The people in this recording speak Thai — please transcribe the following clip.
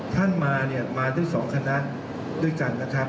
ท่านมาเนี่ยมาได้๒คณะด้วยกันนะครับ